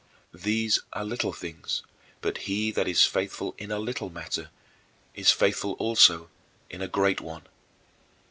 These are little things, but "he that is faithful in a little matter is faithful also in a great one."